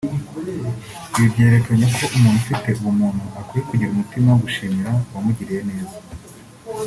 ibi byerekanye ko umuntu ufite ubumuntu akwiye kugira umutima wo gushimira uwamugiriye neza